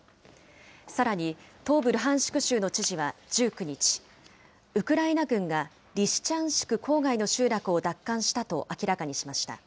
さらに、東部ルハンシク州の知事は１９日、ウクライナ軍が、リシチャンシク郊外の集落を奪還したと明らかにしました。